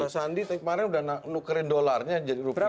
pak sandi tadi udah nukerin dolarnya jadi rupiah